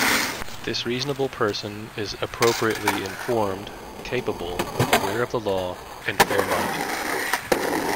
This reasonable person is appropriately informed, capable, aware of the law, and fair-minded.